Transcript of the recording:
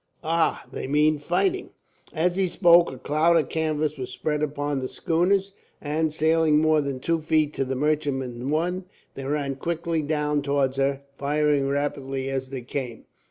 "Ah! They mean fighting." As he spoke, a cloud of canvas was spread upon the schooners and, sailing more than two feet to the merchantman's one, they ran quickly down towards her, firing rapidly as they came.